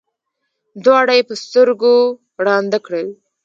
دواړه یې په سترګو ړانده کړل.